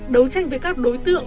đấu tranh với các đối tượng